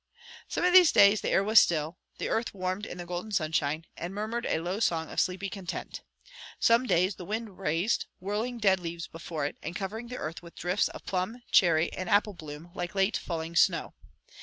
Some of these days the air was still, the earth warmed in the golden sunshine, and murmured a low song of sleepy content. Some days the wind raised, whirling dead leaves before it, and covering the earth with drifts of plum, cherry, and apple bloom, like late falling snow.